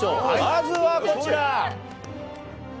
まずはこちら。